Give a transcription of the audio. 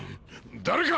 誰か！